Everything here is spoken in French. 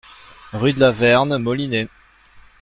Rue de la Verne, Molinet